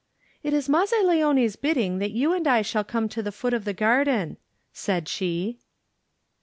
'^It is Mazzaleone's bidding that you and I shall come to the foot of the garden," said she.